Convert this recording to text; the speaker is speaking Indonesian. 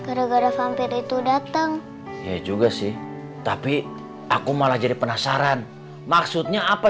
kagak kagak gara gara vampir itu dateng ya juga sih tapi aku malah jadi penasaran maksudnya apa